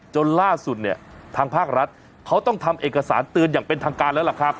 จนล่าสุดเนี่ยทางภาครัฐเขาต้องทำเอกสารเตือนอย่างเป็นทางการแล้วล่ะครับ